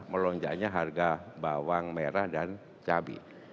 melonjaknya harga bawang merah dan cabai